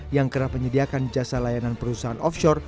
yang kerap menyediakan jasa layanan perusahaan offshore